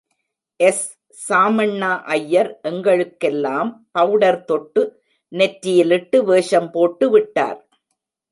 எஸ்.சாமண்ணா ஐயர் எங்களுக்கெல்லாம் பவுடர் தொட்டு நெற்றியிலிட்டு வேஷம் போட்டு விட்டார்.